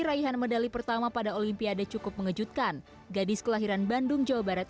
raihan medali pertama pada olimpiade cukup mengejutkan gadis kelahiran bandung jawa barat